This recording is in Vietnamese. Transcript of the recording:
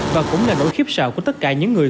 và cũng là nỗi khiếp sạo của tất cả những người